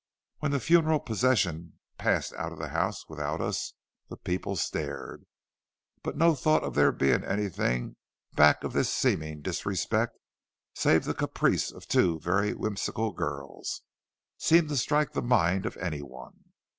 "When the funeral procession passed out of the house without us, the people stared. But no thought of there being anything back of this seeming disrespect, save the caprice of two very whimsical girls, seemed to strike the mind of any one.